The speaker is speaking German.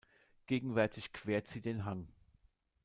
Gegenwärtig quert sie den Hang.